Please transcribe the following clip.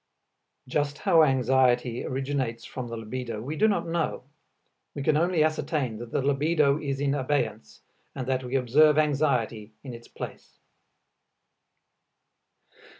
Just how anxiety originates from the libido we do not know; we can only ascertain that the libido is in abeyance, and that we observe anxiety in its place.